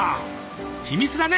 秘密だね